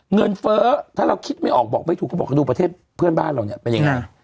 เฟ้อถ้าเราคิดไม่ออกบอกไม่ถูกก็บอกดูประเทศเพื่อนบ้านเราเนี่ยเป็นยังไง